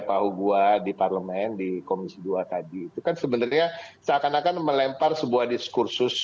pak ugua di parlemen di komisi dua tadi itu kan sebenarnya seakan akan melempar sebuah diskursus